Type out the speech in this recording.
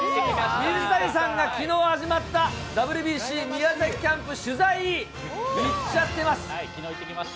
水谷さんがきのう始まったＷＢＣ宮崎キャンプ取材、行っちゃってきのう、行ってきました。